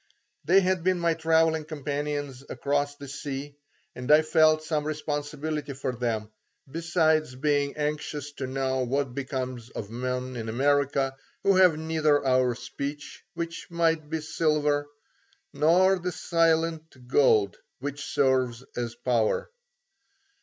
They had been my travelling companions across the sea, and I felt some responsibility for them, besides being anxious to know what becomes of men in America who have neither our speech which might be silver, nor the silent gold which serves as power.